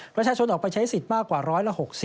ประชาชนออกไปใช้สิทธิ์มากกว่าร้อยละ๖๐